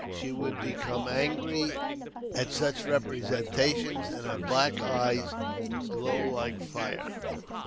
She would become angry at su^l representations, and her black eyes would glow like fire.